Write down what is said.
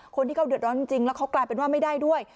คนที่เขาเดือดร้อนจริงแล้วเขากลายเป็นว่าไม่ได้ด้วย